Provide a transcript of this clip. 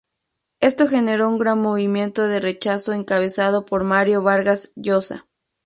Esto generó un gran movimiento de rechazo encabezado por Mario Vargas Llosa.